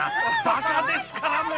バカですからね。